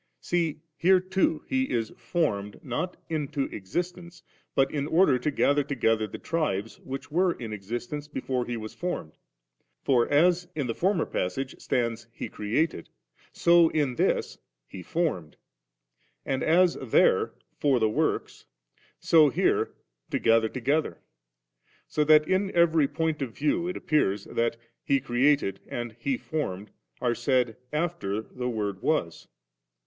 See here too, He is formed, not into existence^ but in order to gather together the tribes^ which were in existence before He was formed For as in the former passage stands * He created,' so in this ' He formed;' and as there 'for the works, 'so here 'togatha together ;' so that in every point of view it appears that 'He created' and 'He fomied' are said after ' the Word was.'